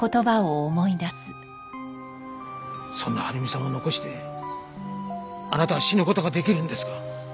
そんな晴美さんを残してあなたは死ぬ事ができるんですか？